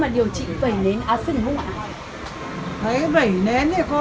để khỏi cái vẩy nén thì khó lắm